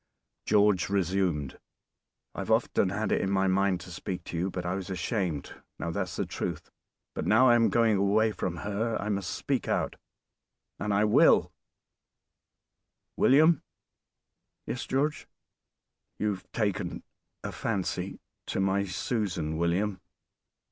George resumed. "I've often had it on my mind to speak to you, but I was ashamed, now that's the truth; but now I am going away from her I must speak out, and I will William!" "Yes, George?" "You've taken a fancy to my Susan, William!"